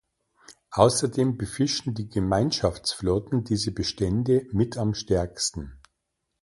Außerdem befischen die Gemeinschaftsflotten diese Bestände mit am stärksten.